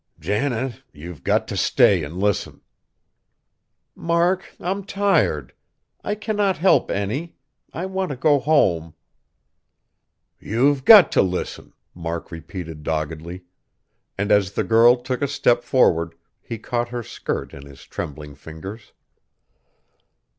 "Janet, you've got t' stay an' listen!" "Mark, I'm tired. I cannot help any; I want to go home." "You've got t' listen!" Mark repeated doggedly; and as the girl took a step forward, he caught her skirt in his trembling fingers.